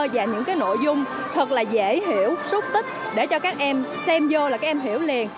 và những nội dung thật là dễ hiểu xúc tích để cho các em thêm vô là các em hiểu liền